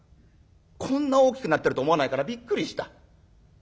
こんな大きくなってると思わないからびっくりした。